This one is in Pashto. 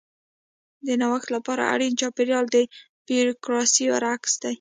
د نوښت لپاره اړین چاپېریال د بیوروکراسي برعکس دی.